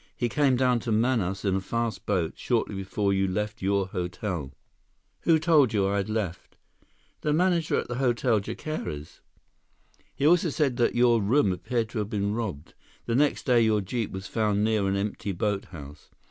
He came down to Manaus in a fast boat shortly before you left your hotel." "Who told you I had left?" "The manager at the Hotel Jacares. He also said that your room appeared to have been robbed. The next day your jeep was found near an empty boathouse.